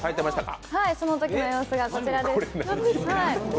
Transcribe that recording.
そのときの様子がこちらです。